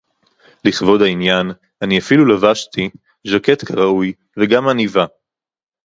לכבוד העניין אני אפילו לבשתי ז'קט כראוי וגם עניבה